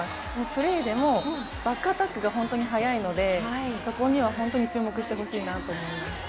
プレーでもバックアタックが本当に速いのでそこには本当に注目してほしいなと思います。